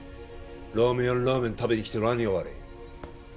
ラーメン屋にラーメン食べに来て何が悪い？